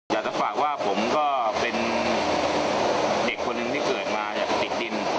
อยากจะฝากว่าผมก็เป็นเด็กคนหนึ่งที่เกิดมาจากติดดิน